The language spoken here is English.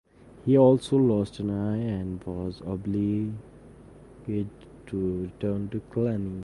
He also lost an eye and was obliged to return to Cluny.